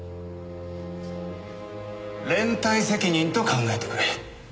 連帯責任と考えてくれ。